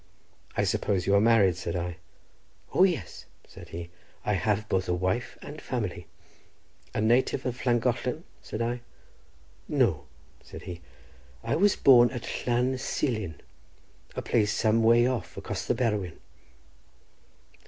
"I suppose you are married?" said I. "O yes," said he, "I have both a wife and family." "A native of Llangollen?" said I. "No," said he; "I was born at Llan Silin, a place some way off across the Berwyn."